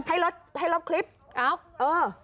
ให้ลดให้ลบคลิปเอ้าเออ